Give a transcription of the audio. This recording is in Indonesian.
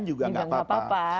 jadi kita harus menjalankan allah